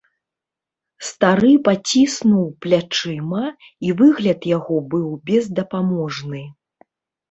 Стары паціснуў плячыма, і выгляд яго быў бездапаможны.